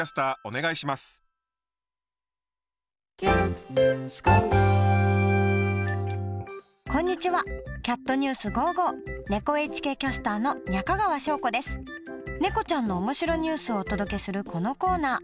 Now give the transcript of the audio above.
ねこちゃんの面白ニュースをお届けするこのコーナー。